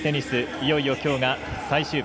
いよいよ、きょうが最終日。